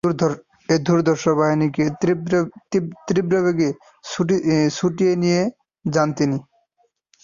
এ দুর্ধর্ষ বাহিনীকে তীব্রবেগে ছুটিয়ে নিয়ে যান তিনি।